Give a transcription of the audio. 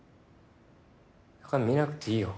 だから見なくていいよ。